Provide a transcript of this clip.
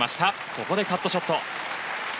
ここでカットショット。